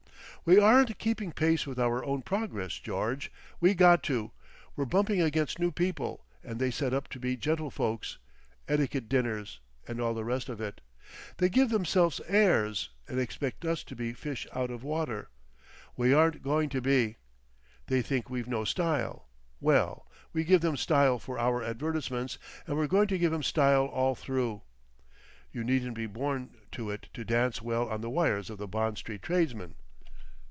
"We aren't keeping pace with our own progress, George. We got to. We're bumping against new people, and they set up to be gentlefolks—etiquette dinners and all the rest of it. They give themselves airs and expect us to be fish out of water. We aren't going to be. They think we've no Style. Well, we give them Style for our advertisements, and we're going to give 'em Style all through.... You needn't be born to it to dance well on the wires of the Bond Street tradesmen.